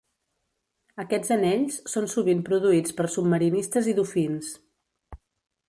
Aquests anells són sovint produïts per submarinistes i dofins.